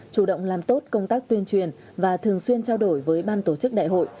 chủ động làm tốt công tác tuyên truyền và thường xuyên trao đổi với ban tổ chức đại hội